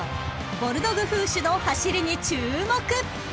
ボルドグフーシュの走りに注目］